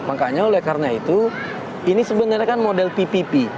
makanya oleh karena itu ini sebenarnya kan model ppp